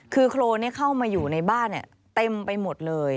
คือโครเนี่ยเข้ามาอยู่ในบ้านเนี่ยเต็มไปหมดเลย